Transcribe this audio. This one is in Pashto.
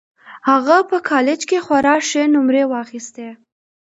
هغه په کالج کې خورا ښې نومرې واخيستې